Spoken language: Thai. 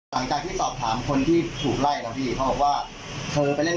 แล้วมีคนเจ็บมีอะไรไหม